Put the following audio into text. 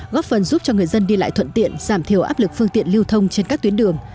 góp phần giúp cho người dân đi lại thuận tiện giảm thiểu áp lực phương tiện lưu thông trên các tuyến đường